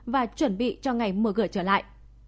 và chuẩn bị cho ngày mở gửi trở lại